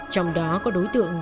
trong đó có đối tượng